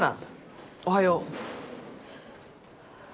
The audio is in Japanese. おはよう。